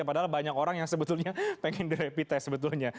padahal banyak orang yang sebetulnya ingin di rapid test